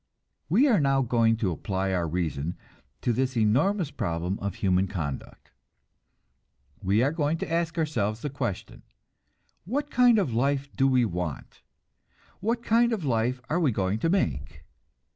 We are now going to apply our reason to this enormous problem of human conduct; we are going to ask ourselves the question: What kind of life do we want? What kind of life are we going to make?